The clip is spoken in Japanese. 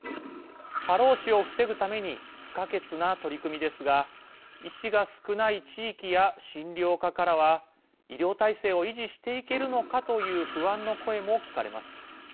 過労死を防ぐために不可欠な取り組みですが医師が少ない地域や診療科からは医療体制を維持していけるのかという不安の声も聞かれます。